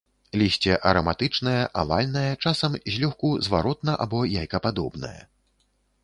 Лісце араматычнае, авальнае, часам злёгку зваротна- або яйкападобнае.